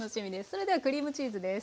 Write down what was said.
それではクリームチーズです。